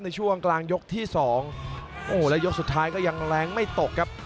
ในช่วงกลางยกที่สองโอ้โหแล้วยกสุดท้ายก็ยังแรงไม่ตกครับ